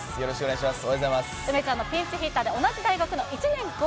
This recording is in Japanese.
お願いします。